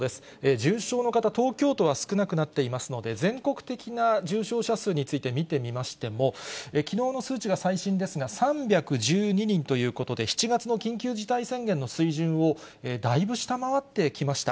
重症の方、東京都は少なくなっていますので、全国的な重症者数について見てみましても、きのうの数値が最新ですが、３１２人ということで、７月の緊急事態宣言の水準をだいぶ下回ってきました。